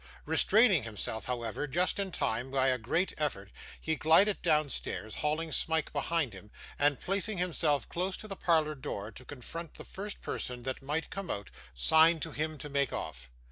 Restraining himself, however, just in time, by a great effort, he glided downstairs, hauling Smike behind him; and placing himself close to the parlour door, to confront the first person that might come out, signed to him to make off.